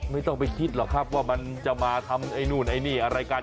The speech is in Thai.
ไม่ต้องไปคิดหรอกครับว่ามันจะมาทำไอ้นู่นไอ้นี่อะไรกัน